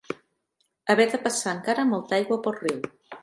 Haver de passar encara molta aigua pel riu.